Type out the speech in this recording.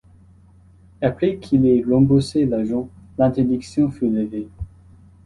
Après qu'il ait remboursé l'argent, l'interdiction fut levée.